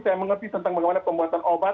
saya mengerti tentang bagaimana pembuatan obat